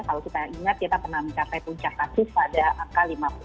kalau kita ingat kita pernah mencapai puncak kasus pada angka lima puluh